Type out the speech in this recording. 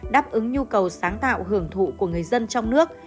đáp ứng nhu cầu sáng tạo hưởng thụ của người dân trong nước